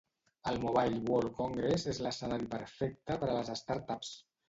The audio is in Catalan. El Mobile World Congress és l'escenari perfecte per a les start-ups.